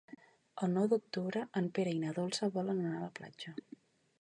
El nou d'octubre en Pere i na Dolça volen anar a la platja.